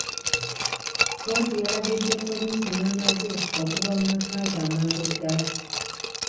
Kkooti yalagidde poliisi n'amagye okuva mu maka ge amangu ddala.